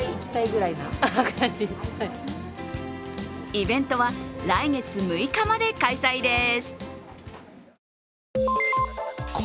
イベントは来月６日まで開催です。